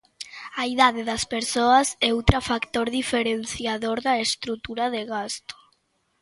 A idade das persoas é outra factor diferenciador da estrutura de gasto.